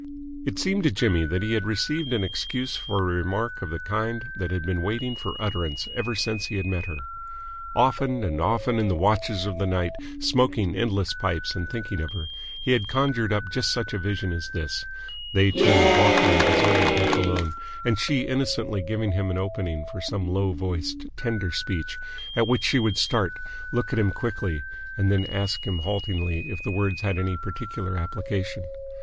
It seemed to Jimmy that he had received an excuse for a remark of a kind that had been waiting for utterance ever since he had met her. Often and often in the watches of the night, smoking endless pipes and thinking of her, he had conjured up just such a vision as this they two walking the deserted deck alone, and she innocently giving him an opening for some low voiced, tender speech, at which she would start, look at him quickly, and then ask him haltingly if the words had any particular application.